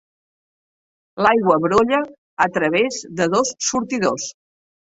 L'aigua brolla a través de dos sortidors.